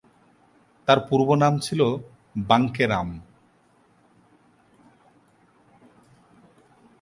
তার পূর্ব নাম ছিল- বাঙ্কেরাম।